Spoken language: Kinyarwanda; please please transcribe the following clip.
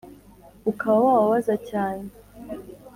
ukaba wababaza cyane,